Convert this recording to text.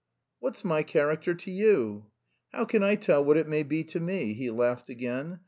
"What's my character to you?" "How can I tell what it may be to me?" He laughed again.